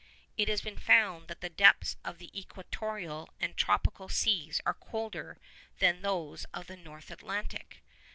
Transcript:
It has been found that the depths of the equatorial and tropical seas are colder than those of the North Atlantic.